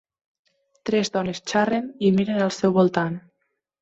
Tres dones xerren i miren al seu voltant.